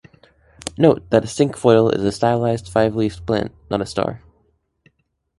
Note that a cinquefoil is a stylized five-leafed plant, not a star.